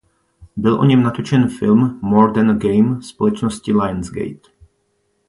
Byl o něm natočen film "More Than a Game" společnosti Lions Gate.